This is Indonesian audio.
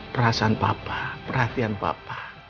perasaan papa perhatian papa